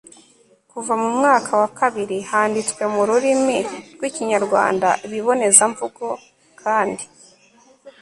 kuva mu mwaka wa bibiri, handitswe mu rurimi rw'ikinyarwanda ibibonezamvugo kandi